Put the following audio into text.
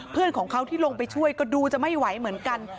เพื่อนของเขาที่ลงไปช่วยก็ดูจะไม่ไหวเหมือนกัน